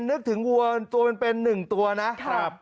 นึกถึงวัวตัวมันเป็น๑ตัวนะครับ